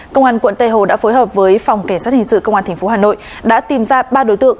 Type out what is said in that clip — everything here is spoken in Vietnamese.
công an quận tây hồ đã phối hợp với phòng cảnh sát hình sự công an tp hà nội đã tìm ra ba đối tượng